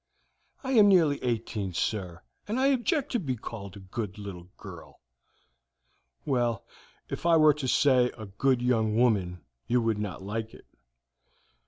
"I am nearly eighteen, sir, and I object to be called a good little girl." "Well, if I were to say a good young woman you would not like it."